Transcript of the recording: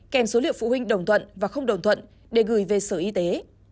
kèm số liệu phụ huynh đồng thuận và không đồng thuận để gửi về sở y tế